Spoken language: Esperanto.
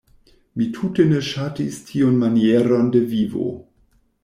Mi tute ne ŝatis tiun manieron de vivo.